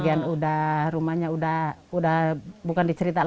iya dulu satu lantai